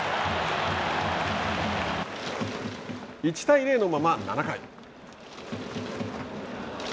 １対０のまま７回。